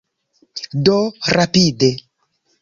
Do, rapide.